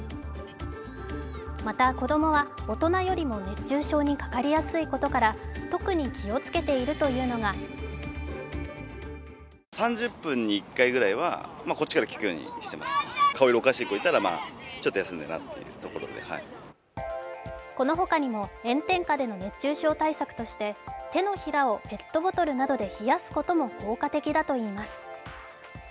また子供は大人よりも熱中症にかかりやすいことから、特に気をつけているというのがこのほかにも、炎天下での熱中症対策として、手のひらをペットボトルなどで冷やすことも効果的だといいます。